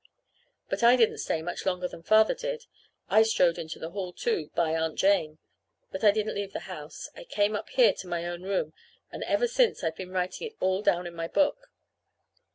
But I didn't stay much longer than Father did. I strode into the hall, too, by Aunt Jane. But I didn't leave the house. I came up here to my own room; and ever since I've been writing it all down in my book.